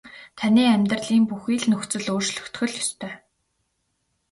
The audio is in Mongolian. Таны амьдралын бүхий л нөхцөл өөрчлөгдөх л ёстой.